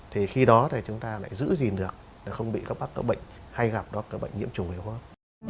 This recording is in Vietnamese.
thì khi đó thì chúng ta lại giữ gìn được không bị các bác có bệnh hay gặp các bệnh nhiễm trùng huyết